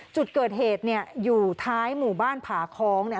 จุดเกิดเหตุเนี่ยอยู่ท้ายหมู่บ้านผาค้องเนี่ย